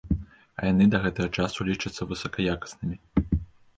А яны да гэтага часу лічацца высакаякаснымі.